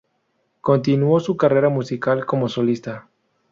Continuó su carrera musical como solista.